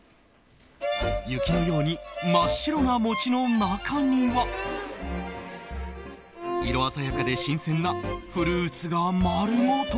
雪のように真っ白な餅の中身は色鮮やかで新鮮なフルーツが丸ごと。